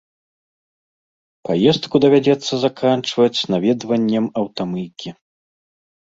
Паездку давядзецца заканчваць наведваннем аўтамыйкі.